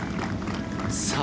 さあ、